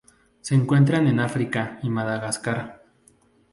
Se encuentran en África y Madagascar.